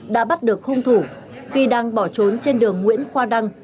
đã bắt được hung thủ khi đang bỏ trốn trên đường nguyễn khoa đăng